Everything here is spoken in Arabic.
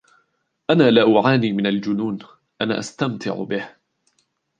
أنا لا أعاني من الجنون ، أنا أستمتع به.